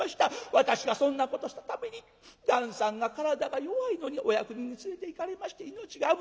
私がそんなことしたために旦さんが体が弱いのにお役人に連れていかれまして命が危ない。